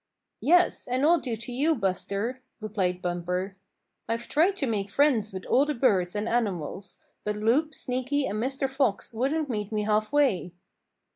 "Yes, and all due to you, Buster," replied Bumper. "I've tried to make friends with all the birds and animals, but Loup, Sneaky and Mr. Fox wouldn't meet me half way."